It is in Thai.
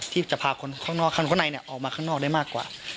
ที่จะพาคนข้างนอกข้างในออกมาข้างนอกได้มากกว่า